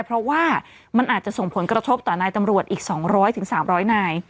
เพราะว่ามันอาจจะส่งผลกระทบต่อนายตำรวจอีก๒๐๐๓๐๐นาย